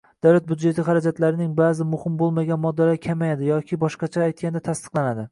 Davlat byudjeti xarajatlarining ba'zi muhim bo'lmagan moddalari kamayadi yoki boshqacha aytganda tasdiqlanadi